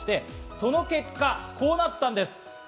その結果、こうなったんです。